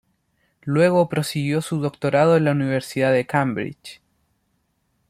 Luego prosiguió su doctorado en la Universidad de Cambridge.